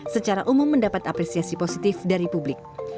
secara umum mendapat apresiasi positif dari publik